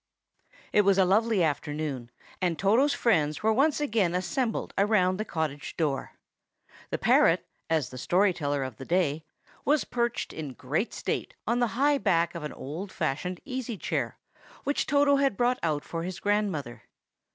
It was a lovely afternoon; and Toto's friends were again assembled around the cottage door. The parrot, as the story teller of the day, was perched in great state on the high back of an old fashioned easy chair, which Toto had brought out for his grandmother.